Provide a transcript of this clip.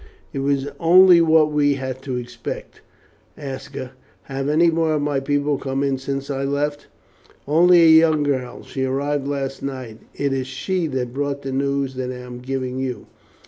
"It was only what we had to expect, Aska. Have any more of my people come in since I left?" "Only a young girl. She arrived last night. It is she that brought the news that I am giving you.